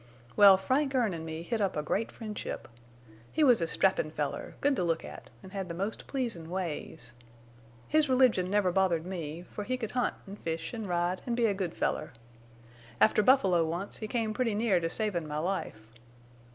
Well, Frank Erne an me hit up a great friendship. He was a strappin' feller, good to look at, an' had the most pleasin' ways. His religion never bothered me, for he could hunt an' fish an' ride an' be a good feller. After buffalo once, he come pretty near to savin' my life.